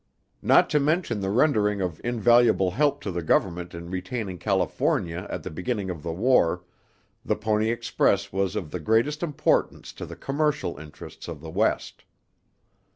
Not to mention the rendering of invaluable help to the Government in retaining California at the beginning of the War, the Pony Express was of the greatest importance to the commercial interests of the West.